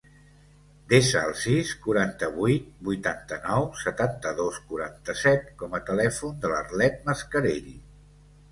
Desa el sis, quaranta-vuit, vuitanta-nou, setanta-dos, quaranta-set com a telèfon de l'Arlet Mascarell.